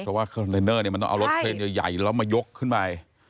เพราะว่าคอนเทนเนอร์เนี่ยมันต้องเอารถเครนใหญ่แล้วมายกขึ้นไป